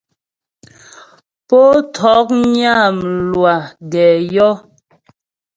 Pó ntɔ̌knyə́ a mlwâ gɛ yɔ́.